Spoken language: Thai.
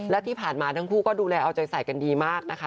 และที่ผ่านมาทั้งคู่ก็ดูแลเอาใจใส่กันดีมากนะคะ